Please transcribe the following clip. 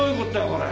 これ！